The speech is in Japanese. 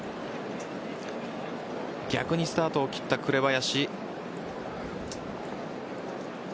逆にスタートを切った紅林。